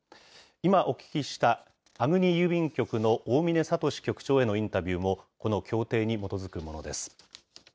今お聞きした粟国郵便局の大嶺智局長へのインタビューも、この協定に基づくものです。